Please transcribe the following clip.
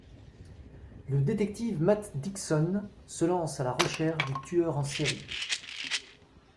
Le détective Matt Dickson se lance à la recherche du tueur en série.